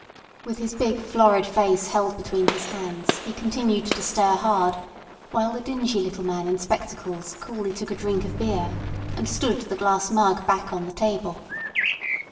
With his big florid face held between his hands he continued to stare hard, while the dingy little man in spectacles coolly took a drink of beer and stood the glass mug back on the table.